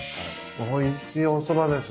おいしいおそばです